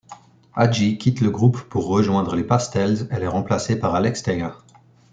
Aggi quitte le groupe pour rejoindre les Pastels, elle est remplacée par Alex Taylor.